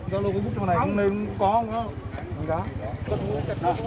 cảm ơn các bạn đã theo dõi và hẹn gặp lại